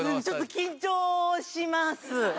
ちょっと緊張します。